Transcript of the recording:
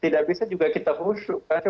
tidak bisa juga kita huruf